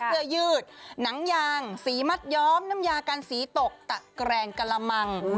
เสื้อยืดหนังยางสีมัดย้อมน้ำยากันสีตกตะแกรงกะละมัง